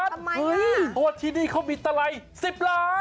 เพราะว่าที่นี่เขามีตะไร๑๐ล้าน